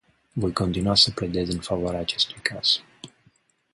Voi continua să pledez în favoarea acestui caz.